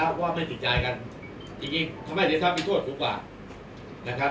เพราะว่าไม่ติดใจกันจริงทำให้เสียทรัพย์มีโทษก็ดีกว่า